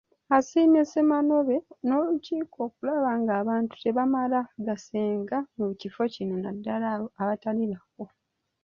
Asiimye Ssemanobe n'olukiiko okulaba ng'abantu tebamala gasenga mu kifo kino naddala abo abatali baakwo.